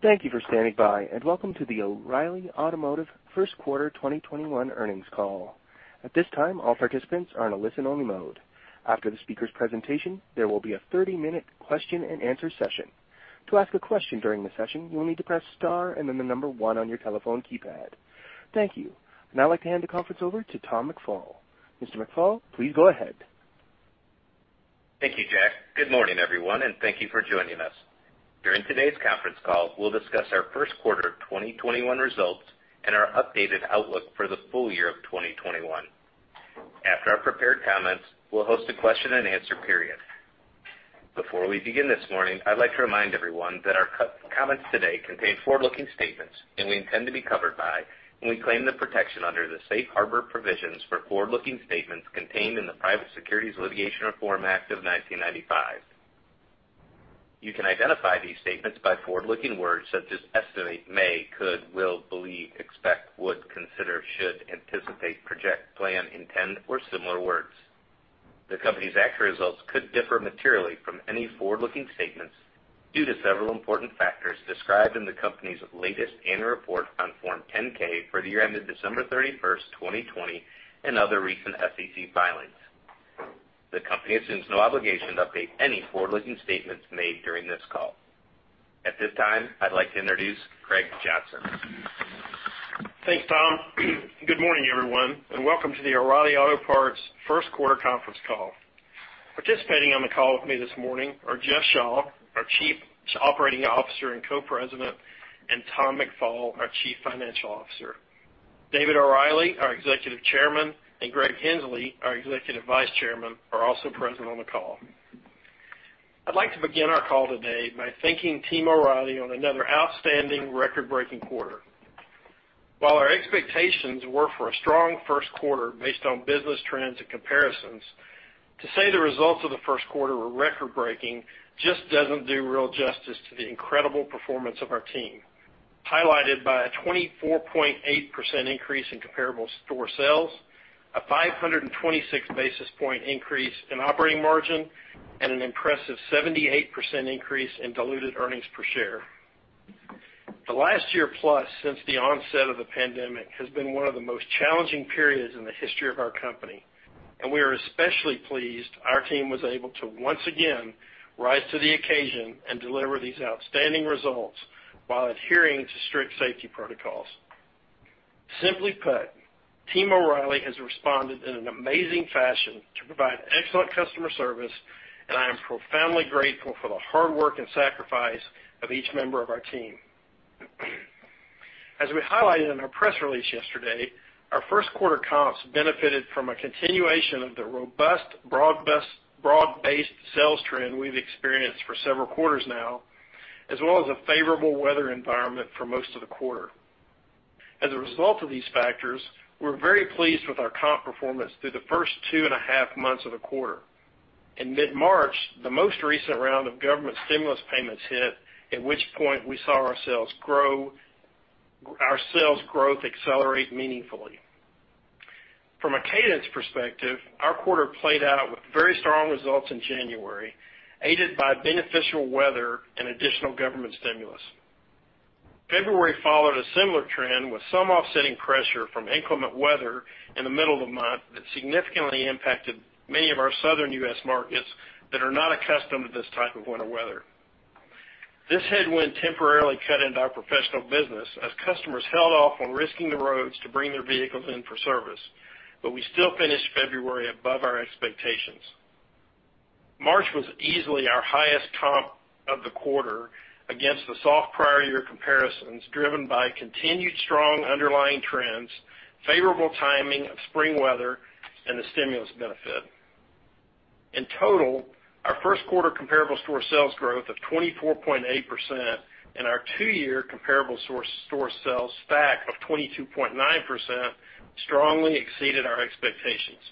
Thank you for standing by, and welcome to the O’Reilly Automotive First Quarter 2021 earnings call. At this time, all participants are in a listen-only mode. After the speaker's presentation, there will be a 30-minute question and answer session. To ask a question during the session, you will need to press star and then the number one on your telephone keypad. Thank you. I'd now like to hand the conference over to Tom McFall. Mr. McFall, please go ahead. Thank you, Jack. Good morning, everyone, and thank you for joining us. During today's conference call, we'll discuss our first quarter 2021 results and our updated outlook for the full year of 2021. After our prepared comments, we'll host a question and answer period. Before we begin this morning, I'd like to remind everyone that our comments today contain forward-looking statements, and we intend to be covered by, and we claim the protection under the Safe Harbor provisions for forward-looking statements contained in the Private Securities Litigation Reform Act of 1995. You can identify these statements by forward-looking words such as estimate, may, could, will, believe, expect, would, consider, should, anticipate, project, plan, intend, or similar words. The company's actual results could differ materially from any forward-looking statements due to several important factors described in the company's latest annual report on Form 10-K for the year ended December 31st, 2020, and other recent SEC filings. The company assumes no obligation to update any forward-looking statements made during this call. At this time, I'd like to introduce Greg Johnson. Thanks, Tom. Good morning, everyone, and welcome to the O'Reilly Auto Parts first quarter conference call. Participating on the call with me this morning are Jeff Shaw, our Chief Operating Officer and Co-President, and Tom McFall, our Chief Financial Officer. David O'Reilly, our Executive Chairman, and Greg Henslee, our Executive Vice Chairman, are also present on the call. I'd like to begin our call today by thanking Team O'Reilly on another outstanding record-breaking quarter. While our expectations were for a strong first quarter based on business trends and comparisons, to say the results of the first quarter were record-breaking just doesn't do real justice to the incredible performance of our team, highlighted by a 24.8% increase in comparable store sales, a 526 basis point increase in operating margin, and an impressive 78% increase in diluted earnings per share. The last year plus since the onset of the pandemic has been one of the most challenging periods in the history of our company, and we are especially pleased our team was able to once again rise to the occasion and deliver these outstanding results while adhering to strict safety protocols. Simply put, Team O’Reilly has responded in an amazing fashion to provide excellent customer service, and I am profoundly grateful for the hard work and sacrifice of each member of our team. As we highlighted in our press release yesterday, our first quarter comps benefited from a continuation of the robust, broad-based sales trend we've experienced for several quarters now, as well as a favorable weather environment for most of the quarter. As a result of these factors, we're very pleased with our comp performance through the first two and a half months of the quarter. In mid-March, the most recent round of government stimulus payments hit, at which point we saw our sales growth accelerate meaningfully. From a cadence perspective, our quarter played out with very strong results in January, aided by beneficial weather and additional government stimulus. February followed a similar trend with some offsetting pressure from inclement weather in the middle of the month that significantly impacted many of our Southern U.S. markets that are not accustomed to this type of winter weather. This headwind temporarily cut into our professional business as customers held off on risking the roads to bring their vehicles in for service, but we still finished February above our expectations. March was easily our highest comp of the quarter against the soft prior year comparisons, driven by continued strong underlying trends, favorable timing of spring weather, and the stimulus benefit. In total, our first quarter comparable store sales growth of 24.8% and our two-year comparable store sales stack of 22.9% strongly exceeded our expectations.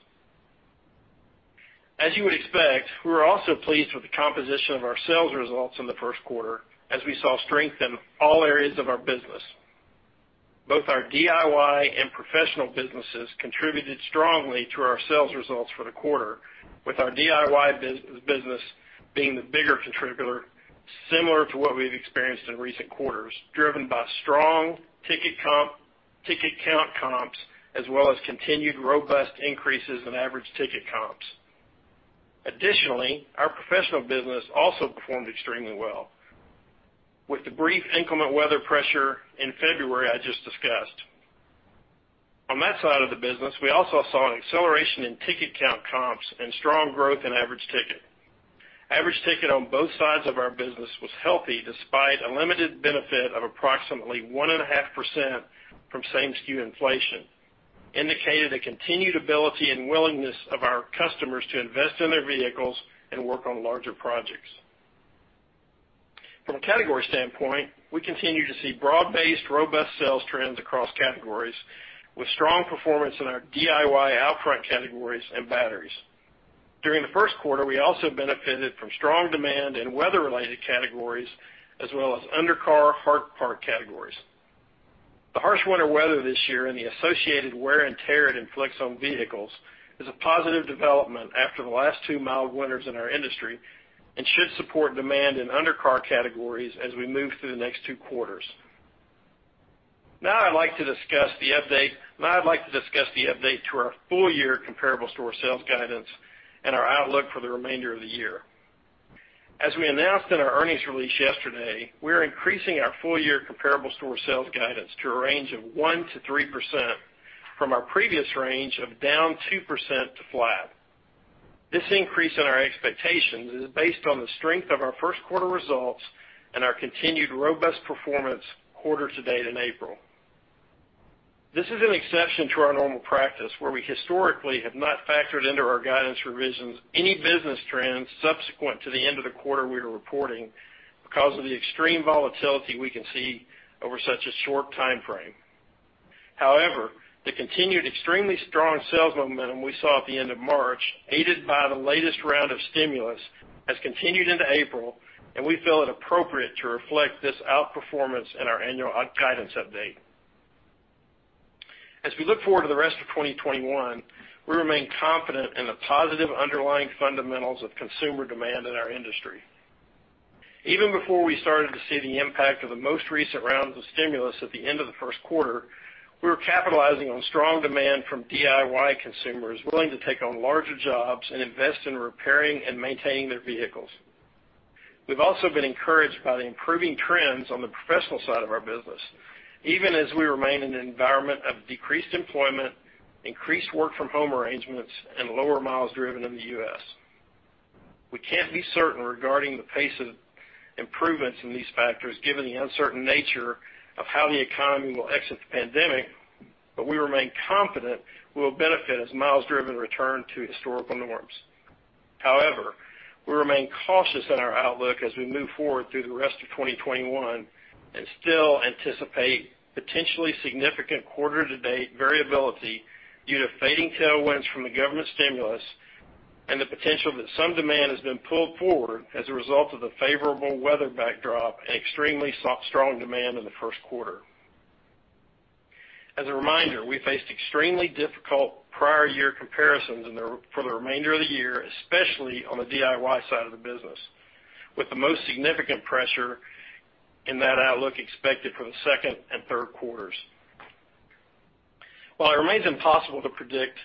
As you would expect, we were also pleased with the composition of our sales results in the first quarter, as we saw strength in all areas of our business. Both our DIY and professional businesses contributed strongly to our sales results for the quarter, with our DIY business being the bigger contributor, similar to what we've experienced in recent quarters, driven by strong ticket count comps, as well as continued robust increases in average ticket comps. Additionally, our professional business also performed extremely well, with the brief inclement weather pressure in February I just discussed. On that side of the business, we also saw an acceleration in ticket count comps and strong growth in average ticket. Average ticket on both sides of our business was healthy despite a limited benefit of approximately 1.5% from same-SKU inflation, indicated a continued ability and willingness of our customers to invest in their vehicles and work on larger projects. From a category standpoint, we continue to see broad-based, robust sales trends across categories, with strong performance in our DIY outfront categories and batteries. During the first quarter, we also benefited from strong demand in weather-related categories, as well as undercar hard part categories. Harsh winter weather this year and the associated wear and tear it inflicts on vehicles is a positive development after the last two mild winters in our industry and should support demand in undercar categories as we move through the next two quarters. Now I'd like to discuss the update to our full year comparable store sales guidance and our outlook for the remainder of the year. As we announced in our earnings release yesterday, we are increasing our full year comparable store sales guidance to a range of 1% to 3% from our previous range of down 2% to flat. This increase in our expectations is based on the strength of our first quarter results and our continued robust performance quarter to date in April. This is an exception to our normal practice where we historically have not factored into our guidance revisions any business trends subsequent to the end of the quarter we are reporting because of the extreme volatility we can see over such a short time frame. However, the continued extremely strong sales momentum we saw at the end of March, aided by the latest round of stimulus, has continued into April, and we feel it appropriate to reflect this outperformance in our annual guidance update. As we look forward to the rest of 2021, we remain confident in the positive underlying fundamentals of consumer demand in our industry. Even before we started to see the impact of the most recent rounds of stimulus at the end of the first quarter, we were capitalizing on strong demand from DIY consumers willing to take on larger jobs and invest in repairing and maintaining their vehicles. We've also been encouraged by the improving trends on the professional side of our business, even as we remain in an environment of decreased employment, increased work from home arrangements, and lower miles driven in the U.S. We can't be certain regarding the pace of improvements in these factors, given the uncertain nature of how the economy will exit the pandemic, but we remain confident we'll benefit as miles driven return to historical norms. However, we remain cautious in our outlook as we move forward through the rest of 2021 and still anticipate potentially significant quarter to date variability due to fading tailwinds from the government stimulus and the potential that some demand has been pulled forward as a result of the favorable weather backdrop and extremely strong demand in the first quarter. As a reminder, we faced extremely difficult prior year comparisons for the remainder of the year, especially on the DIY side of the business, with the most significant pressure in that outlook expected for the second and third quarters. While it remains impossible to predict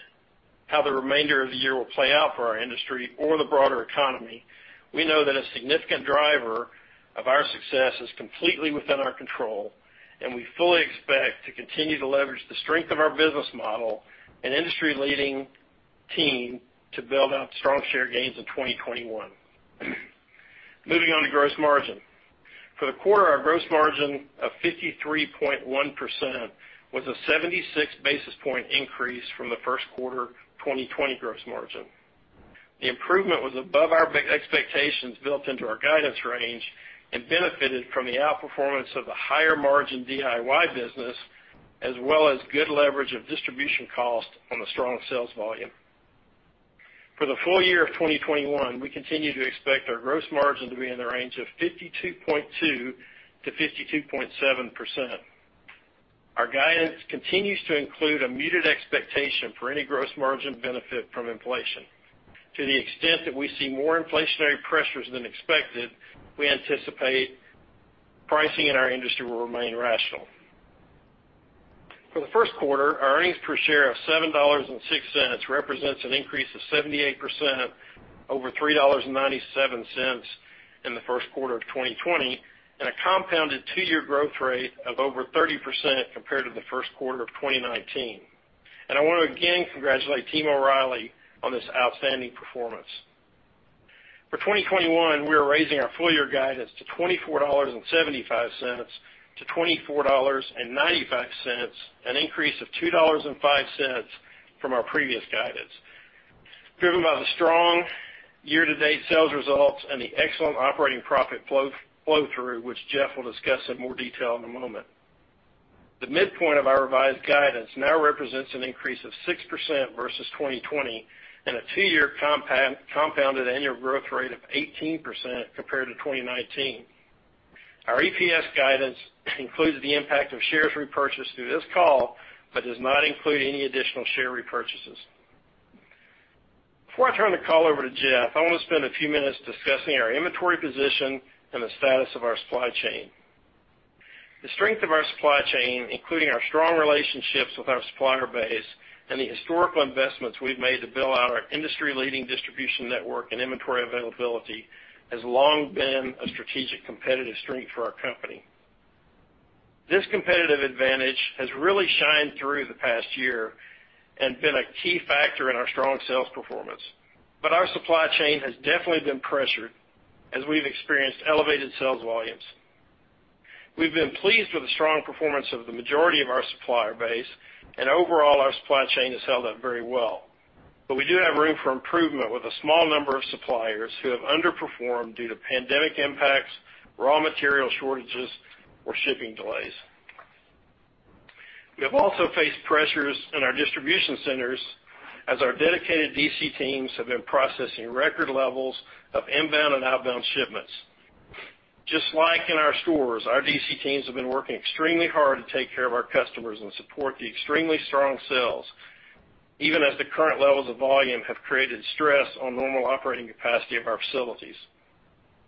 how the remainder of the year will play out for our industry or the broader economy, we know that a significant driver of our success is completely within our control, and we fully expect to continue to leverage the strength of our business model and industry leading team to build out strong share gains in 2021. Moving on to gross margin. For the quarter, our gross margin of 53.1% was a 76 basis point increase from the first quarter 2020 gross margin. The improvement was above our expectations built into our guidance range and benefited from the outperformance of the higher margin DIY business, as well as good leverage of distribution cost on the strong sales volume. For the full year of 2021, we continue to expect our gross margin to be in the range of 52.2%-52.7%. Our guidance continues to include a muted expectation for any gross margin benefit from inflation. To the extent that we see more inflationary pressures than expected, we anticipate pricing in our industry will remain rational. For the first quarter, our earnings per share of $7.06 represents an increase of 78% over $3.97 in the first quarter of 2020 and a compounded two year growth rate of over 30% compared to the first quarter of 2019. I want to again congratulate Team O'Reilly on this outstanding performance. For 2021, we are raising our full year guidance to $24.75-$24.95, an increase of $2.05 from our previous guidance, driven by the strong year to date sales results and the excellent operating profit flow through, which Jeff will discuss in more detail in a moment. The midpoint of our revised guidance now represents an increase of 6% versus 2020 and a two-year compounded annual growth rate of 18% compared to 2019. Our EPS guidance includes the impact of shares repurchased through this call but does not include any additional share repurchases. Before I turn the call over to Jeff, I want to spend a few minutes discussing our inventory position and the status of our supply chain. The strength of our supply chain, including our strong relationships with our supplier base and the historical investments we've made to build out our industry leading distribution network and inventory availability, has long been a strategic competitive strength for our company. This competitive advantage has really shined through the past year and been a key factor in our strong sales performance. Our supply chain has definitely been pressured as we've experienced elevated sales volumes. We've been pleased with the strong performance of the majority of our supplier base and overall, our supply chain has held up very well. We do have room for improvement with a small number of suppliers who have underperformed due to pandemic impacts, raw material shortages, or shipping delays. We have also faced pressures in our distribution centers as our dedicated DC teams have been processing record levels of inbound and outbound shipments. Just like in our stores, our DC teams have been working extremely hard to take care of our customers and support the extremely strong sales, even as the current levels of volume have created stress on normal operating capacity of our facilities.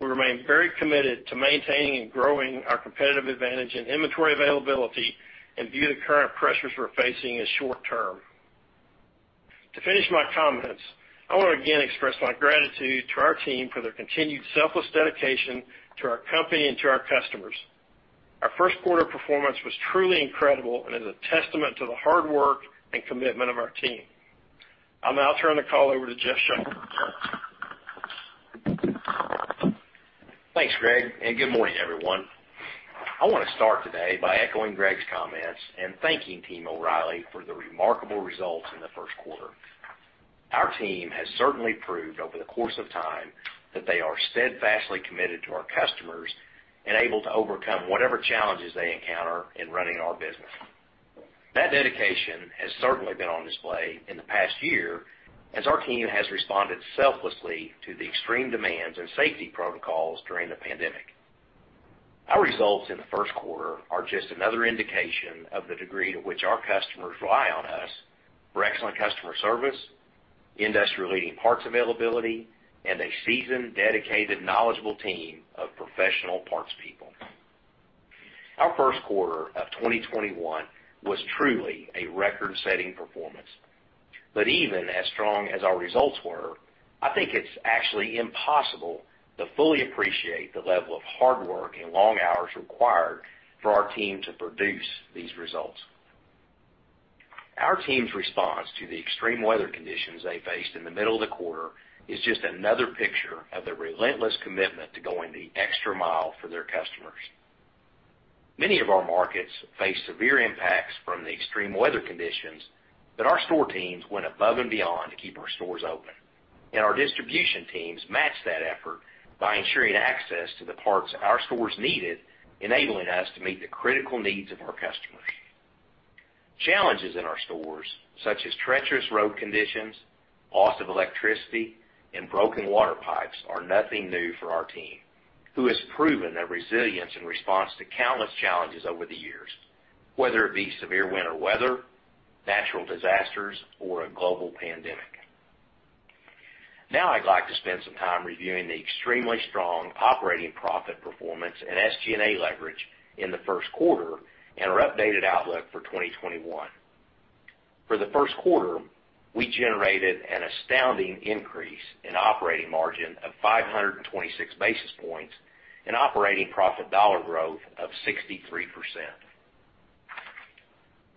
We remain very committed to maintaining and growing our competitive advantage in inventory availability and view the current pressures we're facing as short-term. To finish my comments, I want to again express my gratitude to our team for their continued selfless dedication to our company and to our customers. Our first quarter performance was truly incredible and is a testament to the hard work and commitment of our team. I'll now turn the call over to Jeff Shaw. Thanks, Greg. Good morning, everyone. I want to start today by echoing Greg's comments and thanking Team O'Reilly for the remarkable results in the first quarter. Our team has certainly proved over the course of time that they are steadfastly committed to our customers and able to overcome whatever challenges they encounter in running our business. That dedication has certainly been on display in the past year as our team has responded selflessly to the extreme demands and safety protocols during the pandemic. Our results in the first quarter are just another indication of the degree to which our customers rely on us for excellent customer service, industry-leading parts availability, and a seasoned, dedicated, knowledgeable team of professional parts people. Our first quarter of 2021 was truly a record-setting performance. Even as strong as our results were, I think it's actually impossible to fully appreciate the level of hard work and long hours required for our team to produce these results. Our team's response to the extreme weather conditions they faced in the middle of the quarter is just another picture of their relentless commitment to going the extra mile for their customers. Many of our markets faced severe impacts from the extreme weather conditions, our store teams went above and beyond to keep our stores open. Our distribution teams matched that effort by ensuring access to the parts our stores needed, enabling us to meet the critical needs of our customers. Challenges in our stores, such as treacherous road conditions, loss of electricity, and broken water pipes are nothing new for our team, who has proven their resilience and response to countless challenges over the years, whether it be severe winter weather, natural disasters, or a global pandemic. I'd like to spend some time reviewing the extremely strong operating profit performance and SG&A leverage in the first quarter and our updated outlook for 2021. For the first quarter, we generated an astounding increase in operating margin of 526 basis points and operating profit dollar growth of 63%.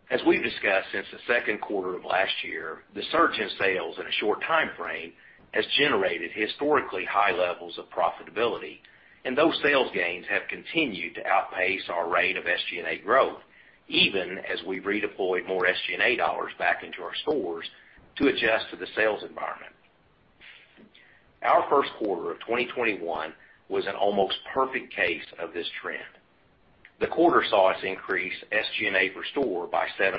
As we've discussed since the second quarter of last year, the surge in sales in a short timeframe has generated historically high levels of profitability, and those sales gains have continued to outpace our rate of SG&A growth, even as we've redeployed more SG&A dollars back into our stores to adjust to the sales environment. Our first quarter of 2021 was an almost perfect case of this trend. The quarter saw us increase SG&A per store by 7%,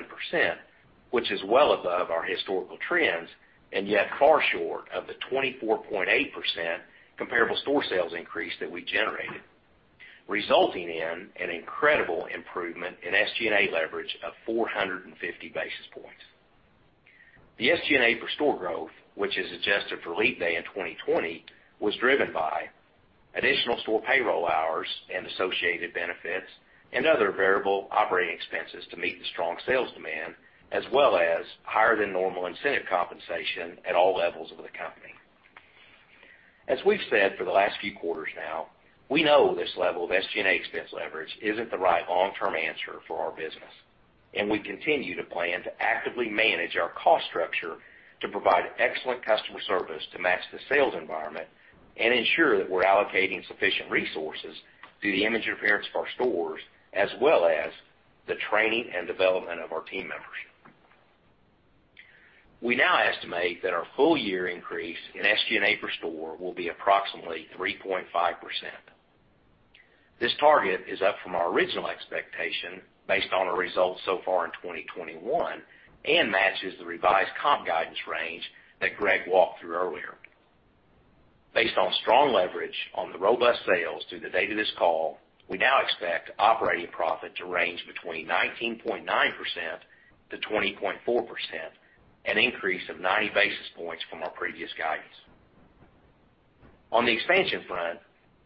which is well above our historical trends and yet far short of the 24.8% comparable store sales increase that we generated, resulting in an incredible improvement in SG&A leverage of 450 basis points. The SG&A per store growth, which is adjusted for leap day in 2020, was driven by additional store payroll hours and associated benefits and other variable operating expenses to meet the strong sales demand, as well as higher than normal incentive compensation at all levels of the company. As we've said for the last few quarters now, we know this level of SG&A expense leverage isn't the right long-term answer for our business, and we continue to plan to actively manage our cost structure to provide excellent customer service to match the sales environment and ensure that we're allocating sufficient resources to the image and appearance of our stores, as well as the training and development of our team members. We now estimate that our full year increase in SG&A per store will be approximately 3.5%. This target is up from our original expectation based on our results so far in 2021 and matches the revised comp guidance range that Greg walked through earlier. Based on strong leverage on the robust sales through the date of this call, we now expect operating profit to range between 19.9%-20.4%, an increase of 90 basis points from our previous guidance. On the expansion front,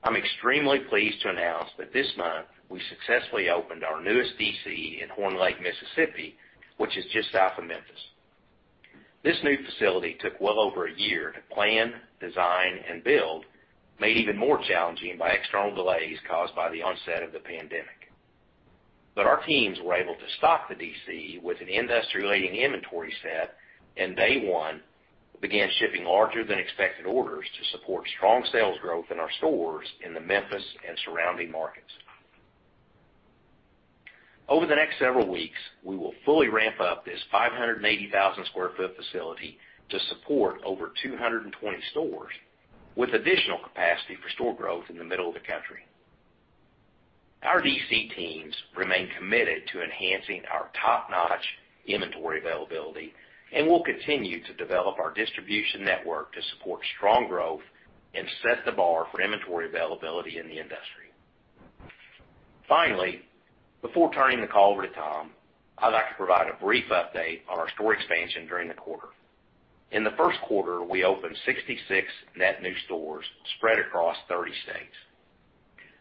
I'm extremely pleased to announce that this month, we successfully opened our newest DC in Horn Lake, Mississippi, which is just south of Memphis. This new facility took well over a year to plan, design, and build, made even more challenging by external delays caused by the onset of the pandemic. Our teams were able to stock the DC with an industry-leading inventory set and day one began shipping larger than expected orders to support strong sales growth in our stores in the Memphis and surrounding markets. Over the next several weeks, we will fully ramp up this 580,000 square foot facility to support over 220 stores with additional capacity for store growth in the middle of the country. Our DC teams remain committed to enhancing our top-notch inventory availability and will continue to develop our distribution network to support strong growth and set the bar for inventory availability in the industry. Finally, before turning the call over to Tom, I'd like to provide a brief update on our store expansion during the quarter. In the first quarter, we opened 66 net new stores spread across 30 states.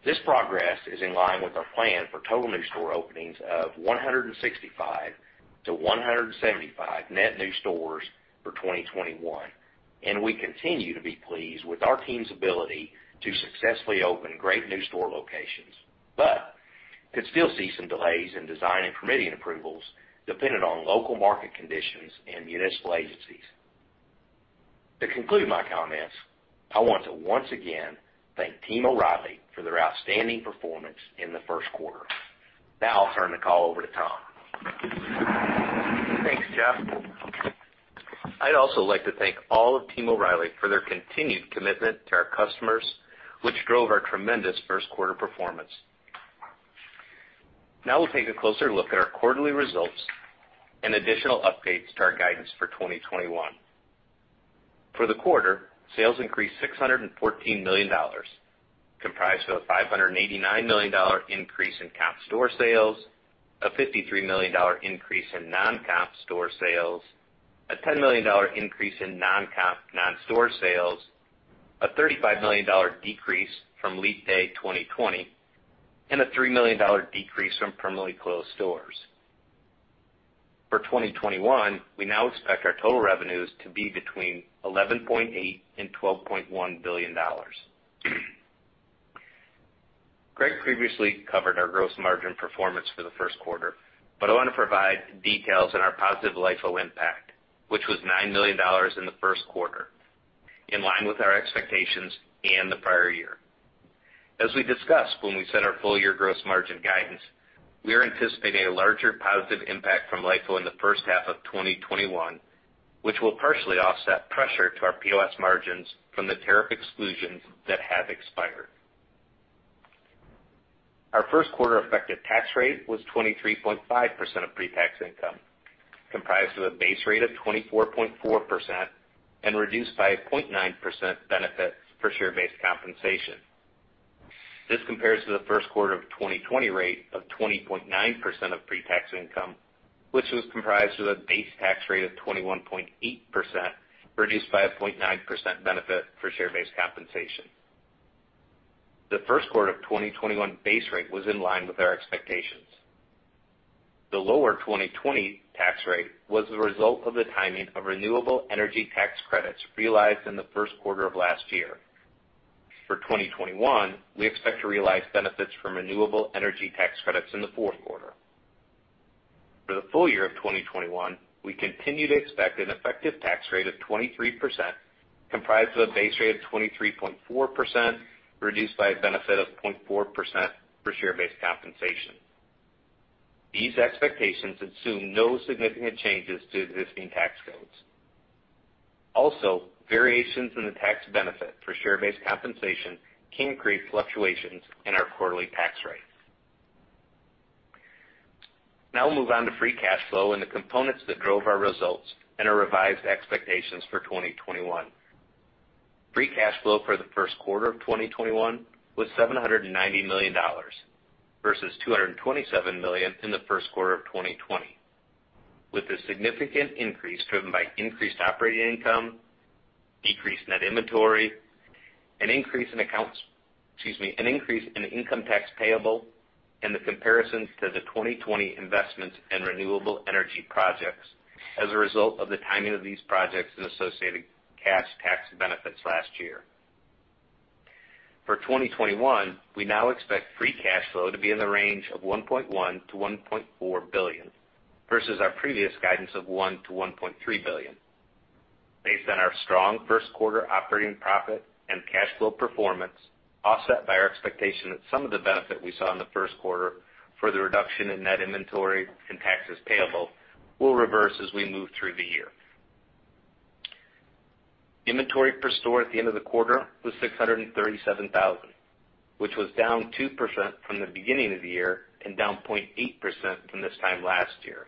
This progress is in line with our plan for total new store openings of 165-175 net new stores for 2021, and we continue to be pleased with our team's ability to successfully open great new store locations, but could still see some delays in design and permitting approvals dependent on local market conditions and municipal agencies. To conclude my comments, I want to once again thank Team O’Reilly for their outstanding performance in the first quarter. I'll turn the call over to Tom. Thanks, Jeff. I'd also like to thank all of Team O'Reilly for their continued commitment to our customers, which drove our tremendous first quarter performance. We'll take a closer look at our quarterly results and additional updates to our guidance for 2021. For the quarter, sales increased $614 million, comprised of a $589 million increase in comp store sales, a $53 million increase in non-comp store sales, a $10 million increase in non-comp non-store sales, a $35 million decrease from leap day 2020, and a $3 million decrease from permanently closed stores. For 2021, we now expect our total revenues to be between $11.8 billion and $12.1 billion. Greg previously covered our gross margin performance for the first quarter, but I want to provide details on our positive LIFO impact, which was $9 million in the first quarter, in line with our expectations and the prior year. As we discussed when we set our full-year gross margin guidance, we are anticipating a larger positive impact from LIFO in the first half of 2021, which will partially offset pressure to our POS margins from the tariff exclusions that have expired. Our first quarter effective tax rate was 23.5% of pre-tax income, comprised of a base rate of 24.4% and reduced by a 0.9% benefit for share-based compensation. This compares to the first quarter of 2020 rate of 20.9% of pre-tax income, which was comprised of a base tax rate of 21.8%, reduced by a 0.9% benefit for share-based compensation. The first quarter of 2021 base rate was in line with our expectations. The lower 2020 tax rate was the result of the timing of renewable energy tax credits realized in the first quarter of last year. For 2021, we expect to realize benefits from renewable energy tax credits in the fourth quarter. For the full year of 2021, we continue to expect an effective tax rate of 23%, comprised of a base rate of 23.4%, reduced by a benefit of 0.4% for share-based compensation. These expectations assume no significant changes to existing tax codes. Also, variations in the tax benefit for share-based compensation can create fluctuations in our quarterly tax rates. Now we'll move on to free cash flow and the components that drove our results and our revised expectations for 2021. Free cash flow for the first quarter of 2021 was $790 million, versus $227 million in the first quarter of 2020, with a significant increase driven by increased operating income, decreased net inventory, an increase in income tax payable, and the comparisons to the 2020 investments in renewable energy projects as a result of the timing of these projects and associated cash tax benefits last year. For 2021, we now expect free cash flow to be in the range of $1.1 billion-$1.4 billion, versus our previous guidance of $1 billion-$1.3 billion, based on our strong first quarter operating profit and cash flow performance, offset by our expectation that some of the benefit we saw in the first quarter for the reduction in net inventory and taxes payable will reverse as we move through the year. Inventory per store at the end of the quarter was 637,000, which was down 2% from the beginning of the year and down 0.8% from this time last year,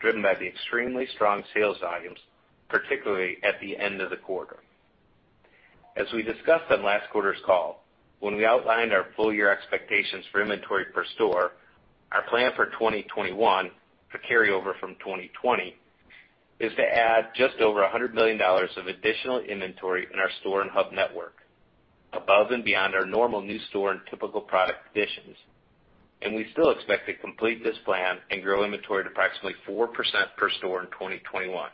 driven by the extremely strong sales volumes, particularly at the end of the quarter. As we discussed on last quarter's call, when we outlined our full-year expectations for inventory per store, our plan for 2021, a carryover from 2020, is to add just over $100 million of additional inventory in our store and hub network above and beyond our normal new store and typical product additions, and we still expect to complete this plan and grow inventory to approximately 4% per store in 2021.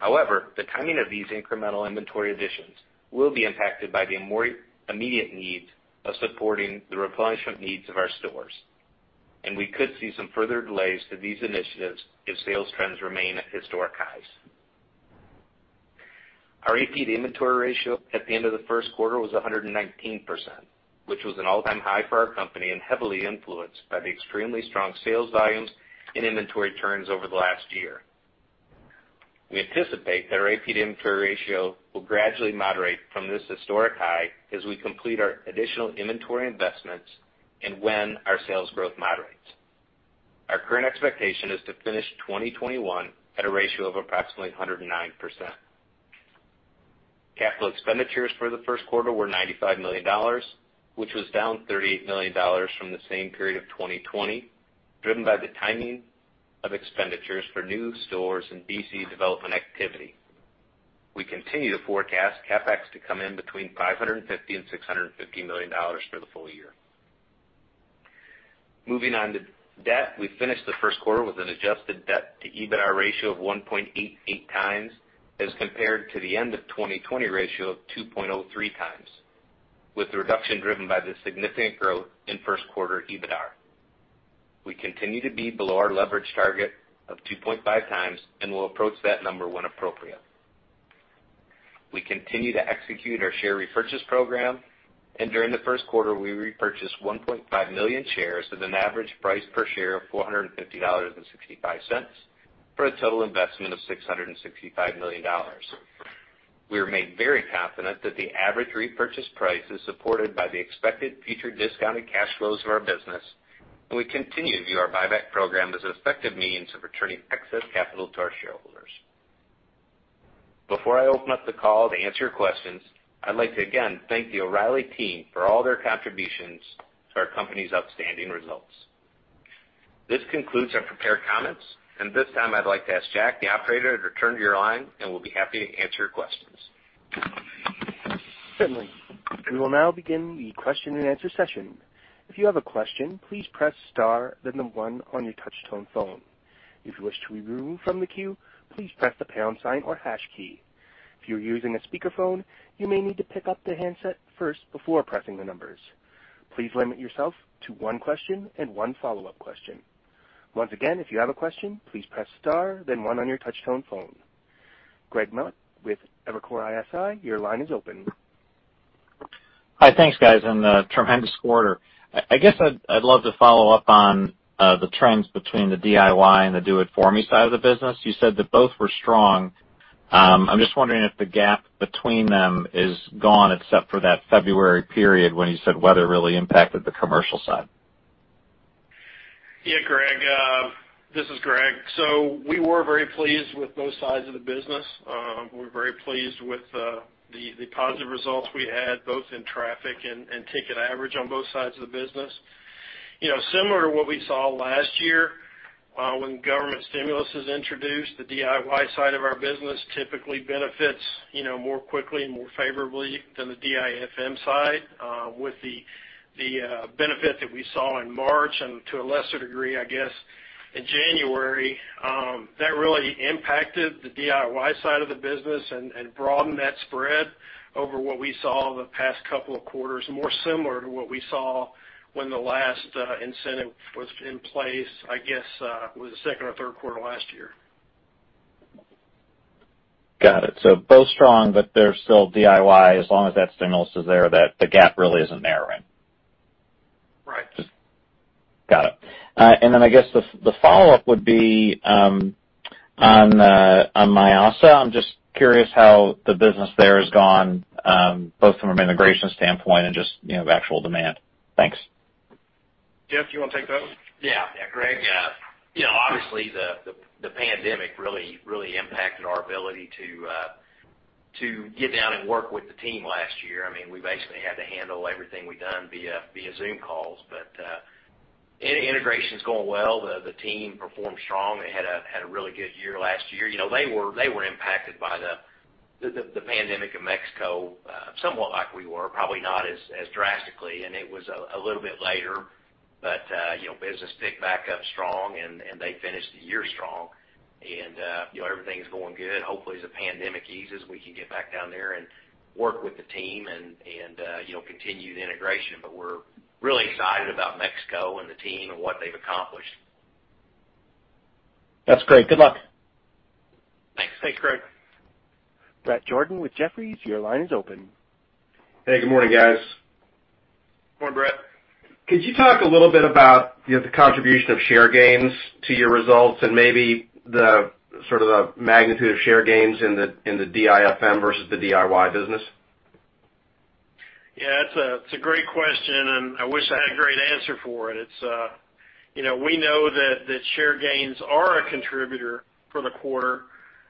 The timing of these incremental inventory additions will be impacted by the immediate need of supporting the replenishment needs of our stores, and we could see some further delays to these initiatives if sales trends remain at historic highs. Our AP to inventory ratio at the end of the first quarter was 119%, which was an all-time high for our company and heavily influenced by the extremely strong sales volumes and inventory turns over the last year. We anticipate that our [APD inventory] ratio will gradually moderate from this historic high as we complete our additional inventory investments and when our sales growth moderates. Our current expectation is to finish 2021 at a ratio of approximately 109%. Capital expenditures for the first quarter were $95 million, which was down $38 million from the same period of 2020, driven by the timing of expenditures for new stores and DC development activity. We continue to forecast CapEx to come in between $550 and $650 million for the full year. Moving on to debt. We finished the first quarter with an adjusted debt to EBITDA ratio of 1.88x as compared to the end of 2020 ratio of 2.03x, with the reduction driven by the significant growth in first quarter EBITDA. We continue to be below our leverage target of 2.5x, and we'll approach that number when appropriate. We continue to execute our share repurchase program, and during the first quarter, we repurchased 1.5 million shares at an average price per share of $450.65 for a total investment of $665 million. We remain very confident that the average repurchase price is supported by the expected future discounted cash flows of our business, and we continue to view our buyback program as an effective means of returning excess capital to our shareholders. Before I open up the call to answer your questions, I'd like to again thank the O'Reilly Team for all their contributions to our company's outstanding results. This concludes our prepared comments, and at this time I'd like to ask Jack, the operator, to return to your line, and we'll be happy to answer your questions. Certainly. We will now begin the question and answer session. If you have a question, please press star one on your touch tone phone. If you wish to be removed from the queue, please press the pound sign or hash key. If you're using a speakerphone, you may need to pick up the handset first before pressing the numbers. Please limit yourself to one question and one follow-up question. Once again, if you have a question, please press star one on your touch tone phone. [Guetman] with Evercore ISI, your line is open. Hi, thanks guys on the tremendous quarter. I guess I'd love to follow up on the trends between the DIY and the Do It For Me side of the business. You said that both were strong. I'm just wondering if the gap between them is gone except for that February period when you said weather really impacted the commercial side. Yeah, Greg. This is Greg. We were very pleased with both sides of the business. We're very pleased with the positive results we had both in traffic and ticket average on both sides of the business. Similar to what we saw last year when government stimulus was introduced, the DIY side of our business typically benefits more quickly and more favorably than the DIFM side. With the benefit that we saw in March and to a lesser degree, I guess in January, that really impacted the DIY side of the business and broadened that spread over what we saw in the past couple of quarters, more similar to what we saw when the last incentive was in place, I guess it was the second or third quarter last year. Got it. Both strong, but they're still DIY as long as that stimulus is there, that the gap really isn't narrowing. Right. Got it. I guess the follow-up would be on Mayasa. I'm just curious how the business there has gone both from an integration standpoint and just actual demand. Thanks. Jeff, you want to take that? Yeah. Greg, obviously the pandemic really impacted our ability to get down and work with the team last year. We basically had to handle everything we done via Zoom calls, but integration's going well. The team performed strong. They had a really good year last year. They were impacted by the pandemic in Mexico somewhat like we were, probably not as drastically, and it was a little bit later. Business picked back up strong, and they finished the year strong. Everything's going good. Hopefully, as the pandemic eases, we can get back down there and work with the team and continue the integration. We're really excited about Mexico and the team and what they've accomplished. That's great. Good luck. Thanks. Thanks, Greg. Bret Jordan with Jefferies, your line is open. Hey. Good morning, guys. Good morning, Bret. Could you talk a little bit about the contribution of share gains to your results and maybe the magnitude of share gains in the DIFM versus the DIY business? Yeah, it's a great question, and I wish I had a great answer for it. We know that share gains are a contributor for the quarter,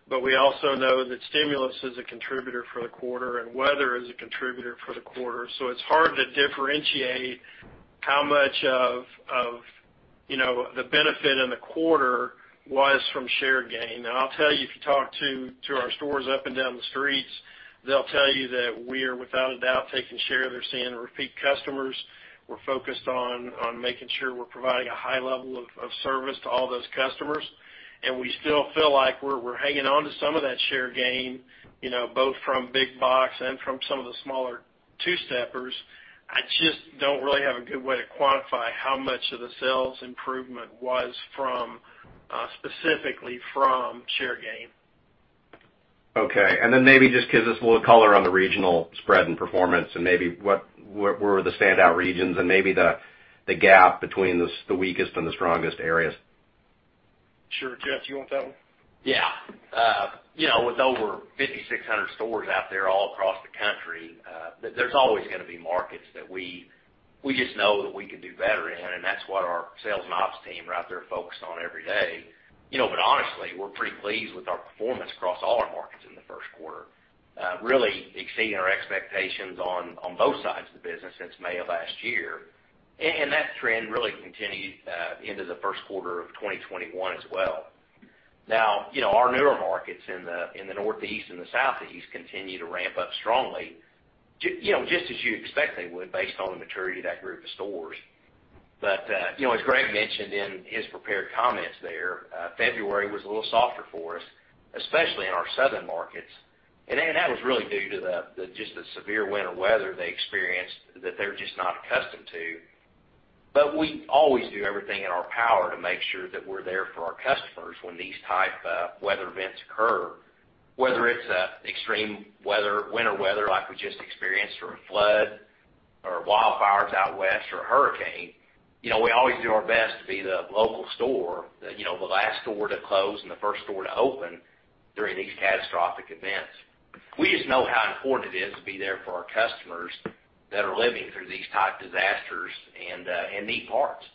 but we also know that stimulus is a contributor for the quarter, and weather is a contributor for the quarter. It's hard to differentiate how much of the benefit in the quarter was from share gain. I'll tell you, if you talk to our stores up and down the streets, they'll tell you that we're without a doubt taking share. They're seeing repeat customers. We're focused on making sure we're providing a high level of service to all those customers, and we still feel like we're hanging on to some of that share gain both from big box and from some of the smaller two-steppers. I just don't really have a good way to quantify how much of the sales improvement was specifically from share gain. Okay. Maybe just give us a little color on the regional spread and performance and maybe what were the standout regions and maybe the gap between the weakest and the strongest areas? Sure. Jeff, do you want that one? Yeah. With over 5,600 stores out there all across the country, there's always going to be markets that we just know that we can do better in. That's what our sales and ops team are out there focused on every day. Honestly, we're pretty pleased with our performance across all our markets in the first quarter. Really exceeding our expectations on both sides of the business since May of last year. That trend really continued into the first quarter of 2021 as well. Now, our newer markets in the Northeast and the Southeast continue to ramp up strongly, just as you expect they would based on the maturity of that group of stores. As Greg mentioned in his prepared comments there, February was a little softer for us, especially in our southern markets. That was really due to just the severe winter weather they experienced that they're just not accustomed to. We always do everything in our power to make sure that we're there for our customers when these type of weather events occur, whether it's extreme winter weather like we just experienced or a flood or wildfires out West or a hurricane. We always do our best to be the local store, the last store to close and the first store to open during these catastrophic events. We just know how important it is to be there for our customers that are living through these type disasters and need parts.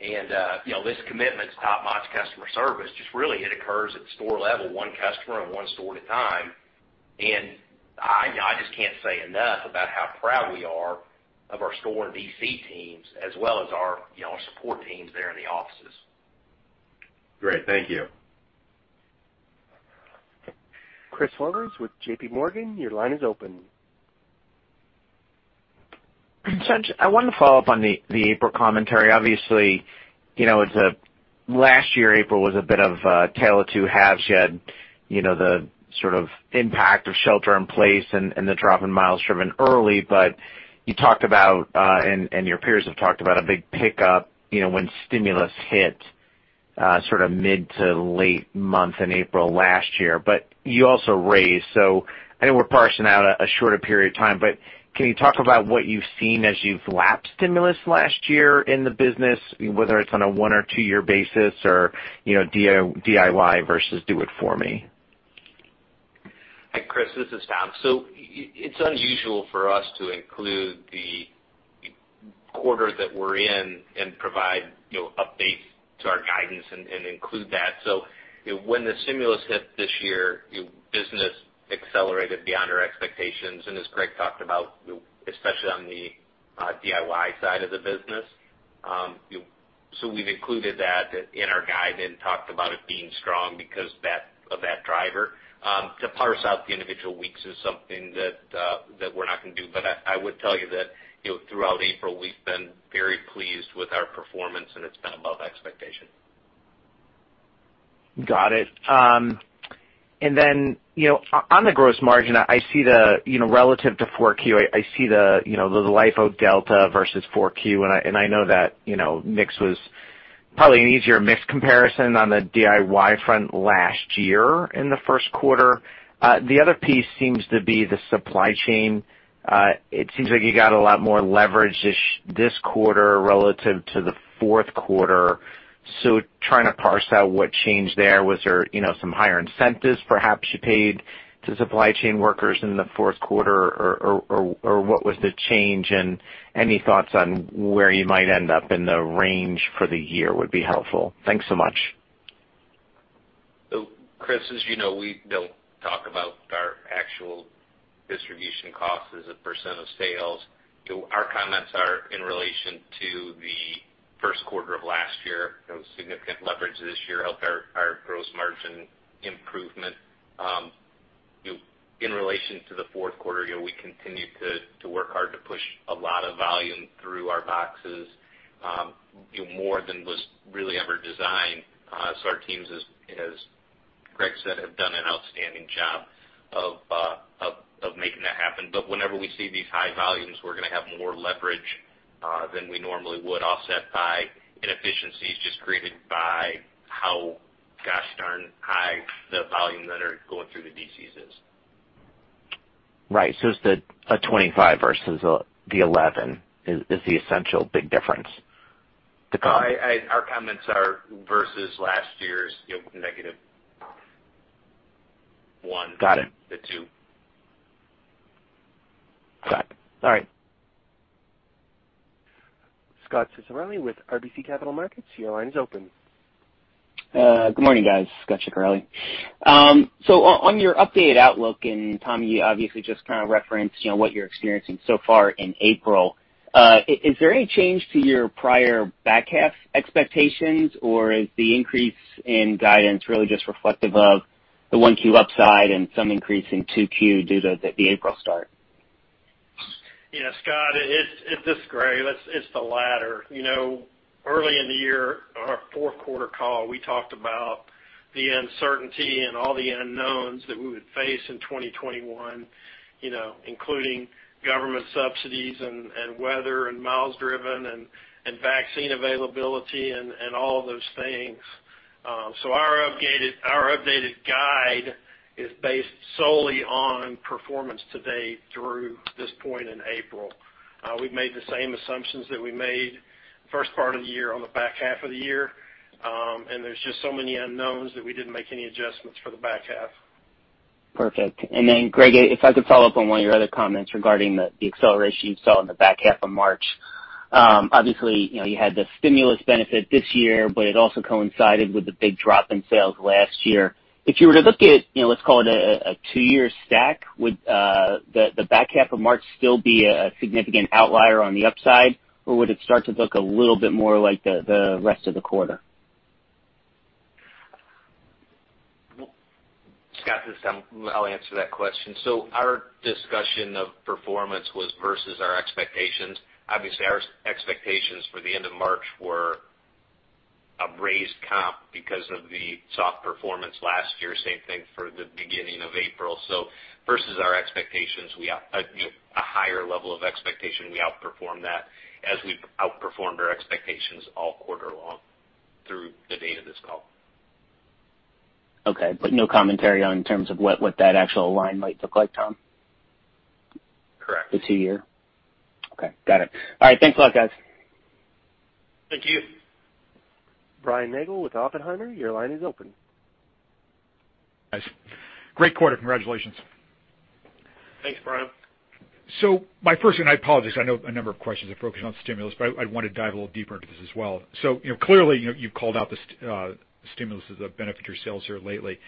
This commitment to top-notch customer service just really, it occurs at the store level, one customer and one store at a time. I just can't say enough about how proud we are of our store and DC teams as well as our support teams there in the offices. Great. Thank you. Christopher Horvers with JPMorgan, your line is open. I wanted to follow up on the April commentary. Obviously, last year April was a bit of a tale of two halves. You had the sort of impact of shelter in place and the drop in miles driven early. You talked about, and your peers have talked about a big pickup when stimulus hit sort of mid to late month in April last year. You also raised. I know we're parsing out a shorter period of time, but can you talk about what you've seen as you've lapped stimulus last year in the business, whether it's on a one or two-year basis or DIY versus do it for me? Hi, Chris, this is Tom. It's unusual for us to include the quarter that we're in and provide updates to our guidance and include that. When the stimulus hit this year, business accelerated beyond our expectations. As Greg talked about, especially on the DIY side of the business. We've included that in our guidance, talked about it being strong because of that driver. To parse out the individual weeks is something that we're not going to do. I would tell you that throughout April, we've been very pleased with our performance, and it's been above expectation. Got it. On the gross margin, relative to 4Q, I see the LIFO delta versus 4Q, and I know that mix was probably an easier mix comparison on the DIY front last year in the first quarter. The other piece seems to be the supply chain. It seems like you got a lot more leverage this quarter relative to the fourth quarter. Trying to parse out what changed there. Was there some higher incentives perhaps you paid to supply chain workers in the fourth quarter? Or what was the change? Any thoughts on where you might end up in the range for the year would be helpful. Thanks so much. Chris, as you know, we don't talk about our actual distribution cost as a percent of sales. Our comments are in relation to the first quarter of last year. Significant leverage this year helped our gross margin improvement. In relation to the fourth quarter, we continued to work hard to push a lot of volume through our boxes, more than was really ever designed. Our teams, as Greg said, have done an outstanding job of making that happen. Whenever we see these high volumes, we're going to have more leverage than we normally would, offset by inefficiencies just created by how gosh darn high the volume that are going through the DCs is. Right. It's the 25 versus the 11 is the essential big difference. Our comments are versus last year's negative one. Got it. The two. Got it. All right. Scot Ciccarelli with RBC Capital Markets. Your line is open. Good morning, guys. Scot Ciccarelli. On your updated outlook, and Tom, you obviously just kind of referenced what you're experiencing so far in April. Is there any change to your prior back half expectations? Is the increase in guidance really just reflective of the 1Q upside and some increase in 2Q due to the April start? Yeah, Scot, it's Greg. It's the latter. Early in the year, our fourth quarter call, we talked about the uncertainty and all the unknowns that we would face in 2021, including government subsidies and weather and miles driven and vaccine availability and all of those things. Our updated guide is based solely on performance to date through this point in April. We've made the same assumptions that we made first part of the year on the back half of the year. There's just so many unknowns that we didn't make any adjustments for the back half. Perfect. Greg, if I could follow up on one of your other comments regarding the acceleration you saw in the back half of March. Obviously, you had the stimulus benefit this year. It also coincided with the big drop in sales last year. If you were to look at, let's call it a two-year stack, would the back half of March still be a significant outlier on the upside? Would it start to look a little bit more like the rest of the quarter? Scot, this is Tom. I'll answer that question. Our discussion of performance was versus our expectations. Obviously, our expectations for the end of March were a raised comp because of the soft performance last year, same thing for the beginning of April. Versus our expectations, a higher level of expectation, we outperformed that as we've outperformed our expectations all quarter long through the date of this call. Okay, no commentary on in terms of what that actual line might look like, Tom? Correct. The two year? Okay. Got it. All right. Thanks a lot, guys. Thank you. Brian Nagel with Oppenheimer, your line is open. Guys, great quarter, congratulations. Thanks, Brian. My first one, I apologize, I know a number of questions have focused on stimulus, but I want to dive a little deeper into this as well. Clearly, you've called out the stimulus has benefited your sales here lately.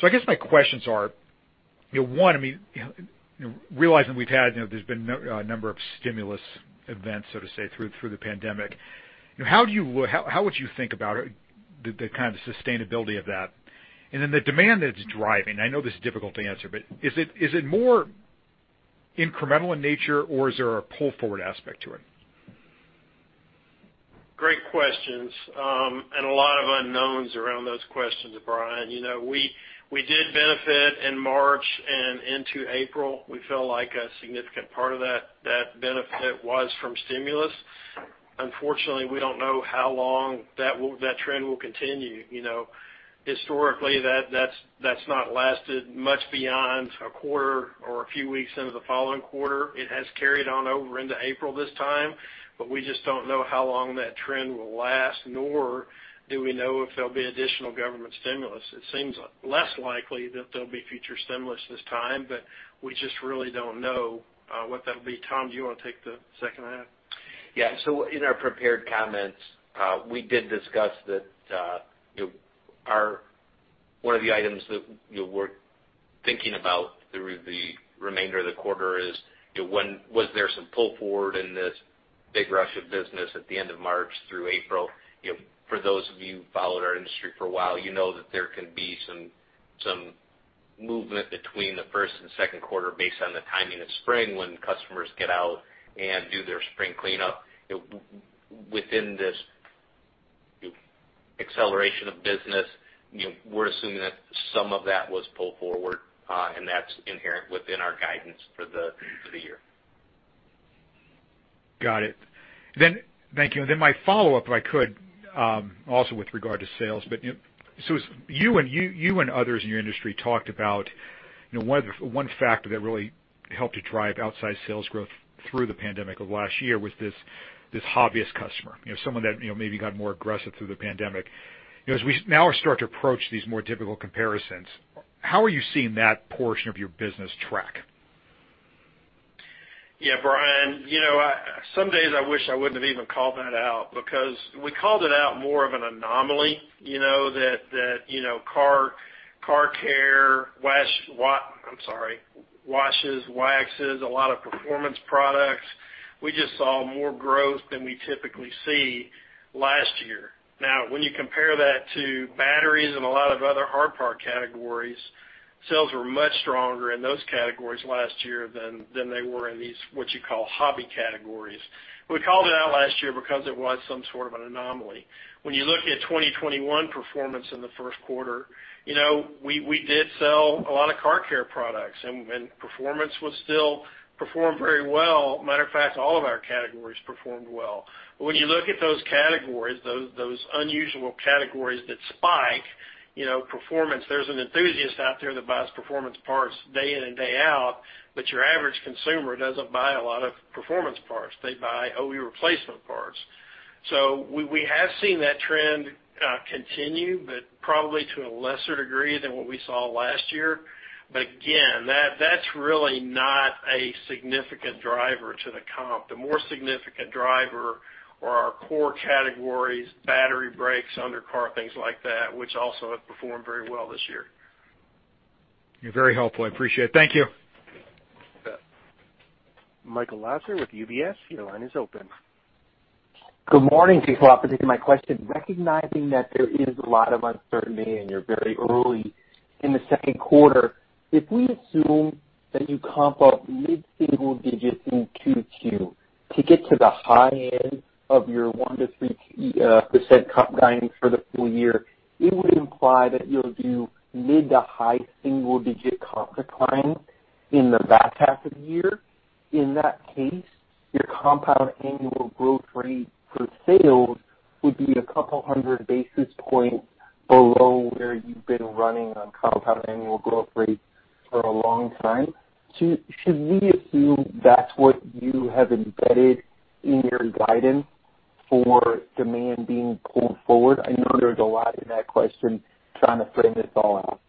I guess my questions are, one, realizing there's been a number of stimulus events, so to say, through the pandemic. How would you think about the kind of sustainability of that? Then the demand that it's driving, I know this is difficult to answer, but is it more incremental in nature or is there a pull-forward aspect to it? Great questions. A lot of unknowns around those questions, Brian. We did benefit in March and into April. We feel like a significant part of that benefit was from stimulus. Unfortunately, we don't know how long that trend will continue. Historically, that's not lasted much beyond a quarter or a few weeks into the following quarter. It has carried on over into April this time, but we just don't know how long that trend will last, nor do we know if there'll be additional government stimulus. It seems less likely that there'll be future stimulus this time, but we just really don't know what that'll be. Tom, do you want to take the second half? In our prepared comments, we did discuss that one of the items that we're thinking about through the remainder of the quarter is, was there some pull forward in this big rush of business at the end of March through April? For those of you who followed our industry for a while, you know that there can be some movement between the first and second quarter based on the timing of spring when customers get out and do their spring cleanup. Within this acceleration of business, we're assuming that some of that was pulled forward, and that's inherent within our guidance for the year. Got it. Thank you. My follow-up, if I could, also with regard to sales. You and others in your industry talked about one factor that really helped to drive outside sales growth through the pandemic of last year was this hobbyist customer. Someone that maybe got more aggressive through the pandemic. As we now start to approach these more difficult comparisons, how are you seeing that portion of your business track? Yeah, Brian. Some days I wish I wouldn't have even called that out because we called it out more of an anomaly, that car care, washes, waxes, a lot of performance products. We just saw more growth than we typically see last year. When you compare that to batteries and a lot of other hard part categories, sales were much stronger in those categories last year than they were in these, what you call hobby categories. We called it out last year because it was some sort of an anomaly. When you look at 2021 performance in the first quarter, we did sell a lot of car care products, and performance was still performed very well. Matter of fact, all of our categories performed well. When you look at those categories, those unusual categories that spike, performance, there's an enthusiast out there that buys performance parts day in and day out, but your average consumer doesn't buy a lot of performance parts. They buy OE replacement parts. We have seen that trend continue, but probably to a lesser degree than what we saw last year. Again, that's really not a significant driver to the comp. The more significant driver are our core categories, battery, brakes, under car, things like that, which also have performed very well this year. You're very helpful. I appreciate it. Thank you. You bet. Michael Lasser with UBS, your line is open. Good morning, thanks a lot for taking my question. Recognizing that there is a lot of uncertainty and you're very early in the second quarter, if we assume that you comp up mid-single digits in Q2 to get to the high end of your 1%-3% comp guidance for the full year, it would imply that you'll do mid to high single digit comp decline in the back half of the year. In that case, your compound annual growth rate for sales would be 200 basis points below where you've been running on compound annual growth rate for a long time. Should we assume that's what you have embedded in your guidance for demand being pulled forward? I know there's a lot in that question, trying to frame this all out.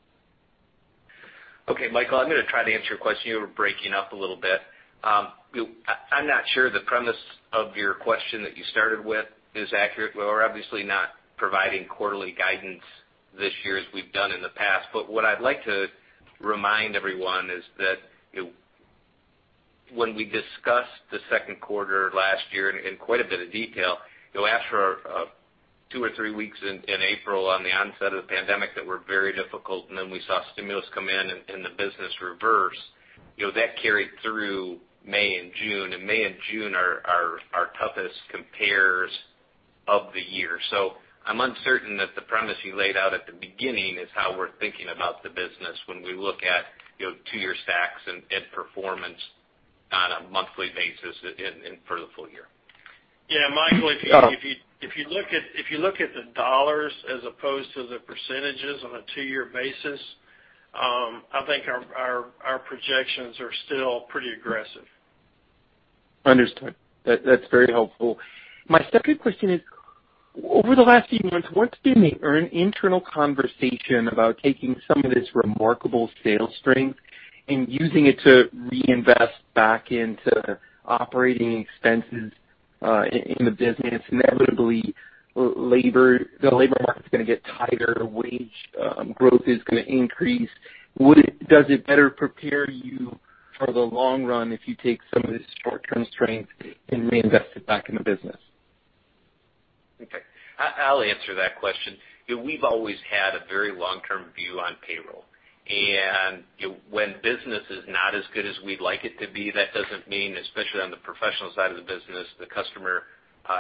Michael, I'm going to try to answer your question. You were breaking up a little bit. I'm not sure the premise of your question that you started with is accurate. We're obviously not providing quarterly guidance this year as we've done in the past. What I'd like to remind everyone is that when we discussed the second quarter last year in quite a bit of detail, after two or three weeks in April on the onset of the pandemic that were very difficult, then we saw stimulus come in and the business reverse, that carried through May and June. May and June are our toughest compares of the year. I'm uncertain that the premise you laid out at the beginning is how we're thinking about the business when we look at two-year stacks and performance on a monthly basis for the full year. Yeah, Michael, if you look at the dollars as opposed to the percentages on a two-year basis, I think our projections are still pretty aggressive. Understood. That's very helpful. My second question is, over the last few months, what's been the internal conversation about taking some of this remarkable sales strength and using it to reinvest back into operating expenses in the business? Inevitably, the labor market's going to get tighter. Wage growth is going to increase. Does it better prepare you for the long run if you take some of this short-term strength and reinvest it back in the business? Okay. I'll answer that question. We've always had a very long-term view on payroll. When business is not as good as we'd like it to be, that doesn't mean, especially on the professional side of the business, the customer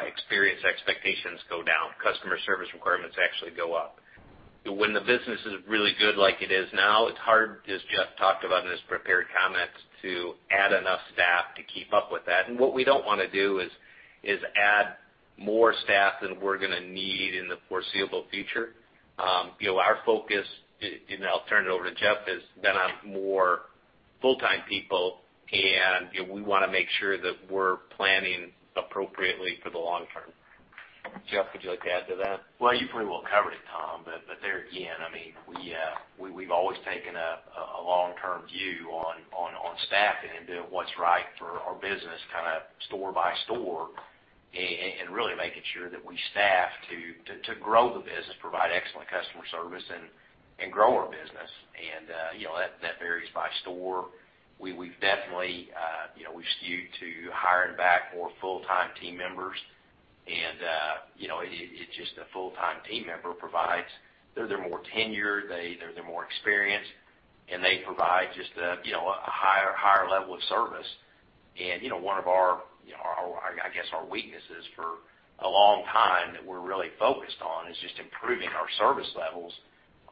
experience expectations go down. Customer service requirements actually go up. When the business is really good like it is now, it's hard, as Jeff talked about in his prepared comments, to add enough staff to keep up with that. What we don't want to do is add more staff than we're going to need in the foreseeable future. Our focus, and I'll turn it over to Jeff, has been on more full-time people, and we want to make sure that we're planning appropriately for the long term. Jeff, would you like to add to that? Well, you pretty well covered it, Tom. There again, we've always taken a long-term view on staffing and doing what's right for our business store by store, and really making sure that we staff to grow the business, provide excellent customer service, and grow our business. That varies by store. We've skewed to hiring back more full-time team members. It's just a full-time team member. They're more tenured, they're more experienced, and they provide just a higher level of service. One of our weaknesses for a long time that we're really focused on is just improving our service levels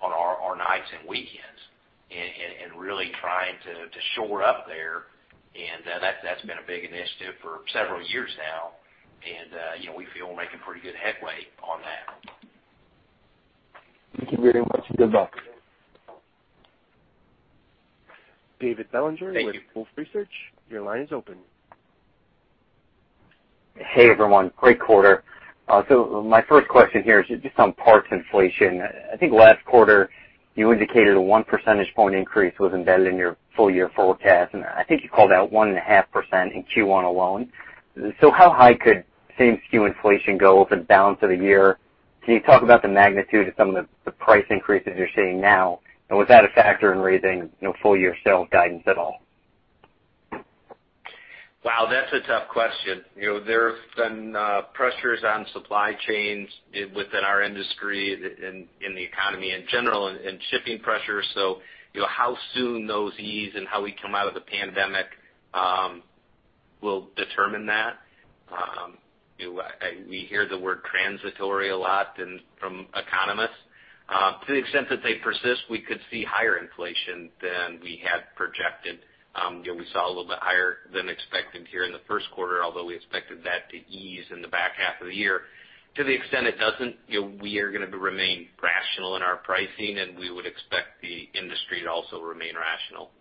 on our nights and weekends and really trying to shore up there. That's been a big initiative for several years now. We feel we're making pretty good headway on that. Thank you very much. Good luck. David Bellinger with Wolfe Research. Thank you. Hey, everyone. Great quarter. My first question here is just on parts inflation. I think last quarter you indicated a 1 percentage point increase was embedded in your full-year forecast, and I think you called out 1.5% in Q1 alone. How high could same-SKU inflation go for the balance of the year? Can you talk about the magnitude of some of the price increases you're seeing now? Was that a factor in raising full-year sales guidance at all? Wow, that's a tough question. There have been pressures on supply chains within our industry, in the economy in general, and shipping pressures. How soon those ease and how we come out of the pandemic will determine that. We hear the word transitory a lot from economists. To the extent that they persist, we could see higher inflation than we had projected. We saw a little bit higher than expected here in the first quarter, although we expected that to ease in the back half of the year. To the extent it doesn't, we are going to remain rational in our pricing, and we would expect the industry to also remain rational.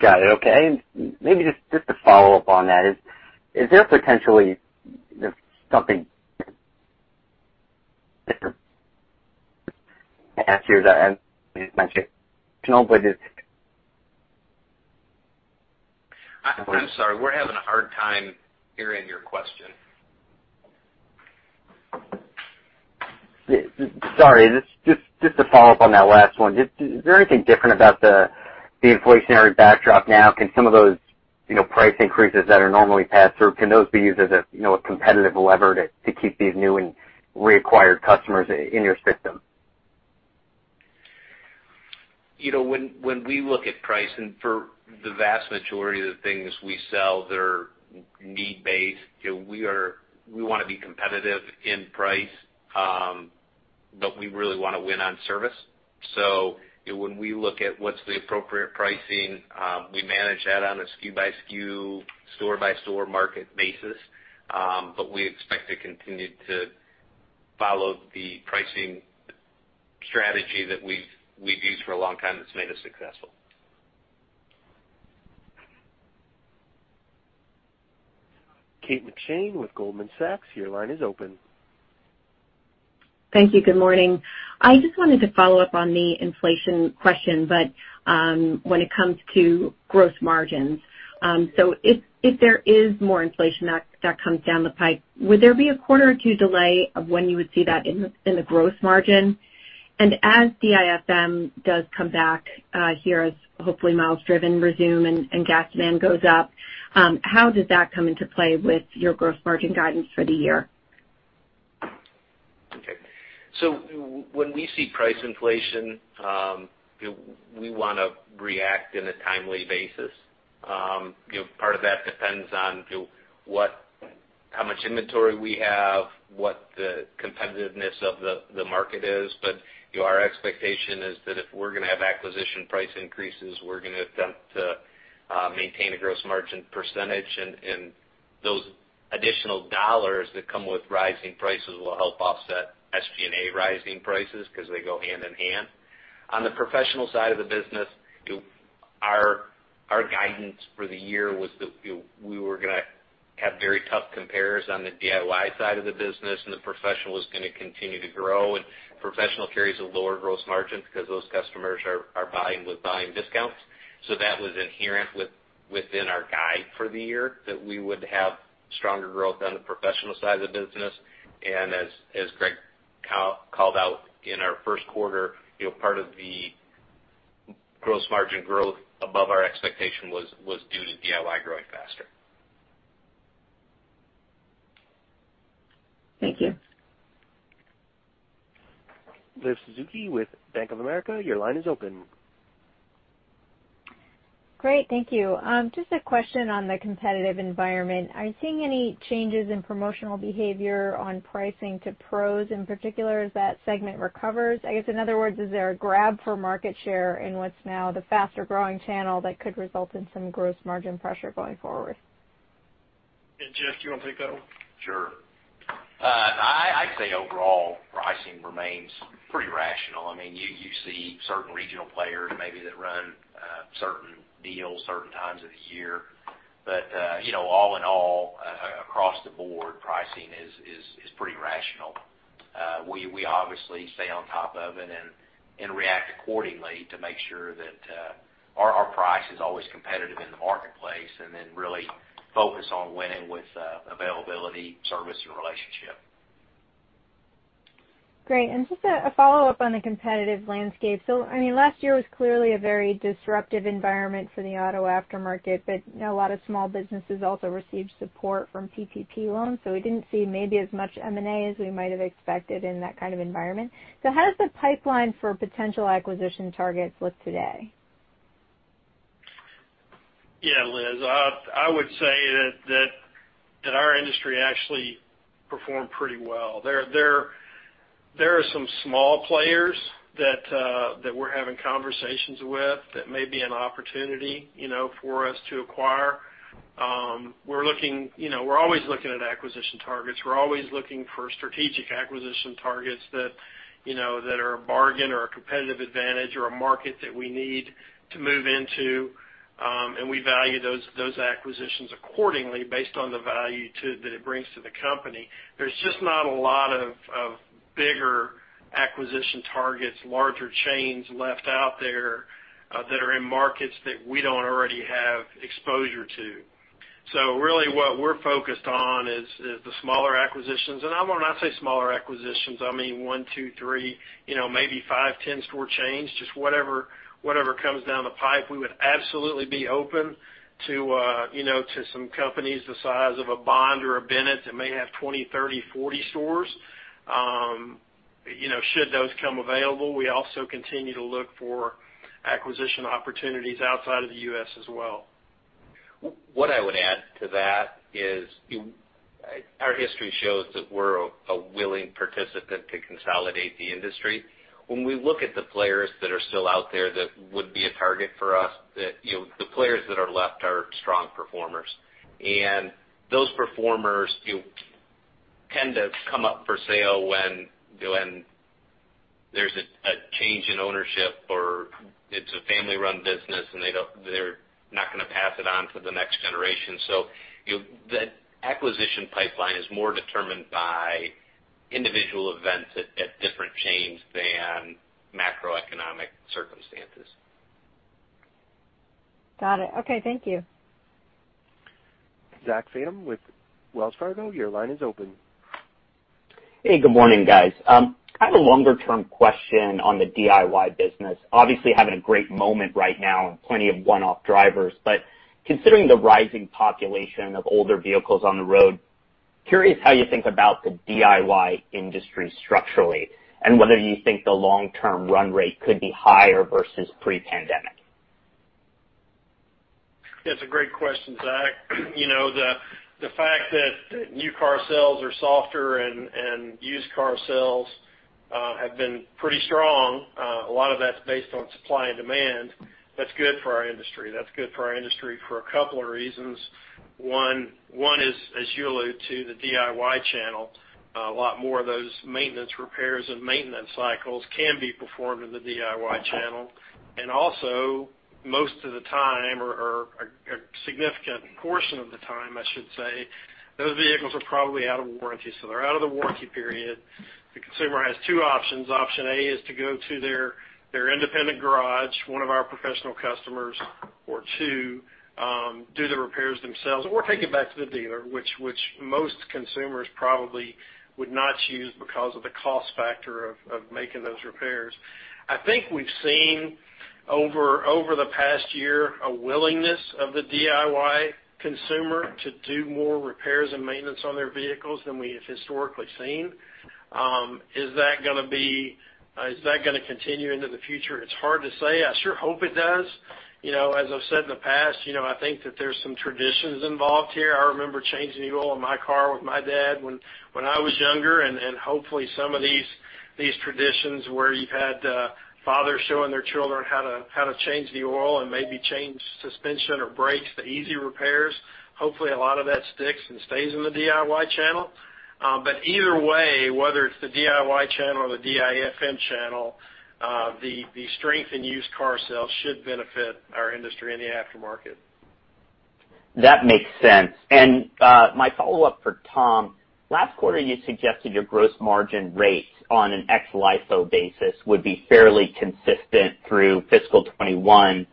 Got it. Okay. Maybe just to follow up on that, is there potentially something different here that you mentioned? I'm sorry, we're having a hard time hearing your question. Sorry, just to follow up on that last one. Is there anything different about the inflationary backdrop now? Can some of those price increases that are normally passed through, can those be used as a competitive lever to keep these new and reacquired customers in your system? When we look at pricing for the vast majority of the things we sell, they're need-based. We want to be competitive in price. We really want to win on service. When we look at what's the appropriate pricing, we manage that on a SKU by SKU, store by store market basis. We expect to continue to follow the pricing strategy that we've used for a long time that's made us successful. Kate McShane with Goldman Sachs, your line is open. Thank you. Good morning. I just wanted to follow up on the inflation question, when it comes to gross margins, if there is more inflation that comes down the pipe, would there be a quarter or two delay of when you would see that in the gross margin? As DIFM does come back here as hopefully miles driven resume and gas demand goes up, how does that come into play with your gross margin guidance for the year? Okay. When we see price inflation, we want to react in a timely basis. Part of that depends on how much inventory we have, what the competitiveness of the market is. Our expectation is that if we're going to have acquisition price increases, we're going to attempt to maintain a gross margin percentage, and those additional dollars that come with rising prices will help offset SG&A rising prices because they go hand in hand. On the professional side of the business, our guidance for the year was that we were going to have very tough compares on the DIY side of the business, and the professional was going to continue to grow. Professional carries a lower gross margin because those customers are buying with volume discounts. That was inherent within our guide for the year, that we would have stronger growth on the professional side of the business. As Greg called out in our first quarter, part of the gross margin growth above our expectation was due to DIY growing faster. Thank you. [Liz Suzuki] with Bank of America, your line is open. Great. Thank you. Just a question on the competitive environment. Are you seeing any changes in promotional behavior on pricing to pros in particular as that segment recovers? I guess, in other words, is there a grab for market share in what's now the faster-growing channel that could result in some gross margin pressure going forward? Yeah, Jeff, do you want to take that one? Sure. I'd say overall, pricing remains pretty rational. You see certain regional players maybe that run certain deals certain times of the year. All in all, across the board, pricing is pretty rational. We obviously stay on top of it and react accordingly to make sure that our price is always competitive in the marketplace, and then really focus on winning with availability, service, and relationship. Great. Just a follow-up on the competitive landscape. Last year was clearly a very disruptive environment for the auto aftermarket, but a lot of small businesses also received support from PPP loans, so we didn't see maybe as much M&A as we might have expected in that kind of environment. How does the pipeline for potential acquisition targets look today? Yeah, Liz. I would say that our industry actually performed pretty well. There are some small players that we're having conversations with that may be an opportunity for us to acquire. We're always looking at acquisition targets. We're always looking for strategic acquisition targets that are a bargain or a competitive advantage or a market that we need to move into, and we value those acquisitions accordingly based on the value too, that it brings to the company. There's just not a lot of bigger acquisition targets, larger chains left out there that are in markets that we don't already have exposure to. Really what we're focused on is the smaller acquisitions. When I say smaller acquisitions, I mean one, two, three, maybe five, 10-store chains, just whatever comes down the pipe. We would absolutely be open to some companies the size of a Bond or a Bennett that may have 20, 30, 40 stores should those come available. We also continue to look for acquisition opportunities outside of the U.S. as well. What I would add to that is, our history shows that we're a willing participant to consolidate the industry. When we look at the players that are still out there, that would be a target for us, the players that are left are strong performers. Those performers tend to come up for sale when there's a change in ownership, or it's a family-run business and they're not going to pass it on to the next generation. The acquisition pipeline is more determined by individual events at different chains than macroeconomic circumstances. Got it. Okay. Thank you. Zachary Fadem with Wells Fargo, your line is open. Hey, good morning, guys. I have a longer-term question on the DIY business. Obviously, having a great moment right now and plenty of one-off drivers, considering the rising population of older vehicles on the road, curious how you think about the DIY industry structurally and whether you think the long-term run rate could be higher versus pre-pandemic? That's a great question, Zach. The fact that new car sales are softer and used car sales have been pretty strong, a lot of that's based on supply and demand. That's good for our industry. That's good for our industry for a couple of reasons. One is, as you allude to, the DIY channel. A lot more of those maintenance repairs and maintenance cycles can be performed in the DIY channel. Also, most of the time or a significant portion of the time, I should say, those vehicles are probably out of warranty. They're out of the warranty period. The consumer has two options. Option A is to go to their independent garage, one of our professional customers, or two, do the repairs themselves or take it back to the dealer, which most consumers probably would not choose because of the cost factor of making those repairs. I think we've seen over the past year a willingness of the DIY consumer to do more repairs and maintenance on their vehicles than we have historically seen. Is that going to continue into the future? It's hard to say. I sure hope it does. As I've said in the past, I think that there's some traditions involved here. I remember changing the oil in my car with my dad when I was younger, and hopefully, some of these traditions where you've had fathers showing their children how to change the oil and maybe change suspension or brakes, the easy repairs. Hopefully, a lot of that sticks and stays in the DIY channel. Either way, whether it's the DIY channel or the DIFM channel, the strength in used car sales should benefit our industry in the aftermarket. That makes sense. My follow-up for Tom. Last quarter, you suggested your gross margin rates on an ex-LIFO basis would be fairly consistent through fiscal 2021.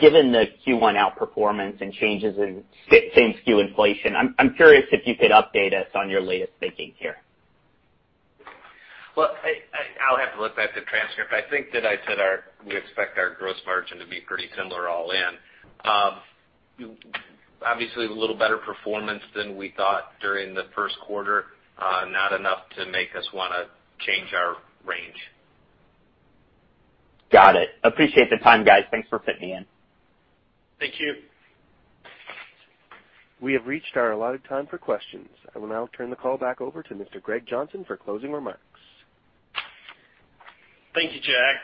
Given the Q1 outperformance and changes in same-SKU inflation, I'm curious if you could update us on your latest thinking here. Well, I'll have to look back at the transcript. I think that I said we expect our gross margin to be pretty similar all in. Obviously, a little better performance than we thought during the first quarter. Not enough to make us want to change our range. Got it. Appreciate the time, guys. Thanks for fitting me in. Thank you. We have reached our allotted time for questions. I will now turn the call back over to Mr. Greg Johnson for closing remarks. Thank you, Jack.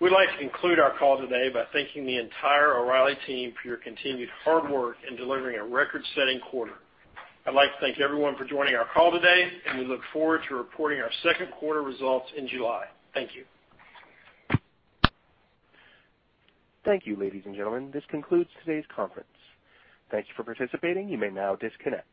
We'd like to conclude our call today by thanking the entire O'Reilly team for your continued hard work in delivering a record-setting quarter. I'd like to thank everyone for joining our call today, and we look forward to reporting our second quarter results in July. Thank you. Thank you, ladies and gentlemen. This concludes today's conference. Thank you for participating. You may now disconnect.